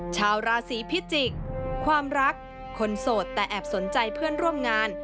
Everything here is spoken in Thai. ชาวราศีพิจิกษ์ความรักคนโสดแต่แอบสนใจเพื่อนร่วมงาน